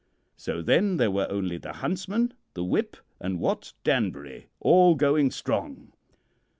So then there were only the huntsman, the whip, and Wat Danbury all going strong.